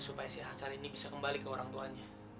supaya si hasan ini bisa kembali ke orang tuanya